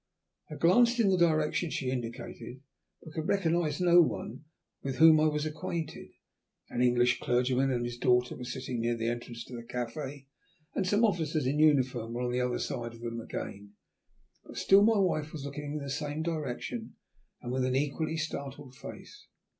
I glanced in the direction she indicated, but could recognize no one with whom I was acquainted. An English clergyman and his daughter were sitting near the entrance to the café, and some officers in uniform were on the other side of them again, but still my wife was looking in the same direction and with an equally startled face.